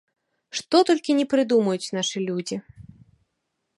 Што толькі не прыдумаюць нашы людзі.